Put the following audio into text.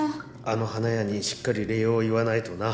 あの花屋にしっかり礼を言わないとな。